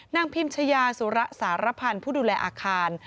พิมชายาสุระสารพันธ์ผู้ดูแลอาคาร